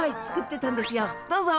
どうぞ。